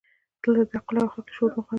دلته د تعقل او اخلاقي شهود مقام دی.